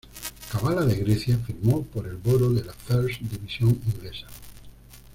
Kavala de Grecia, firmó por el Boro de la First Division Inglesa.